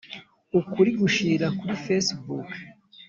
• ukuri gushirira kuri facebook